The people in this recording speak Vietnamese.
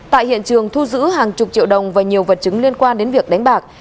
tại hiện trường thu giữ hàng chục triệu đồng và nhiều vật chứng liên quan đến việc đánh bạc